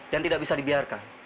dan tidak bisa dibiarkan